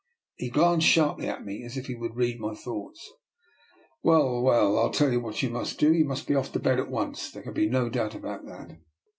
He glanced sharply at me, as if he would read my thoughts. " Well, well, I'll tell you what you must do: you must be off to bed at once. There can be no doubt about that."